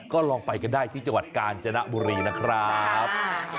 ก็ลองไปกันได้ที่จังหวัดกาญจนบุรีนะครับ